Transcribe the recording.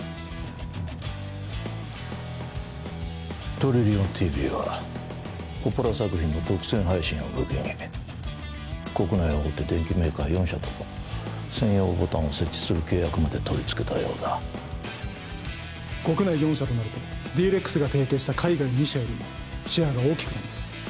トリリオンＴＶはポポラ作品の独占配信を武器に国内大手電機メーカー４社と専用ボタンを設置する契約までとりつけたようだ国内４社となるとＤ−ＲＥＸが提携した海外２社よりもシェアが大きくなります